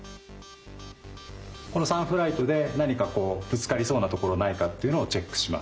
この３フライトで何かこうぶつかりそうなところないかというのをチェックします。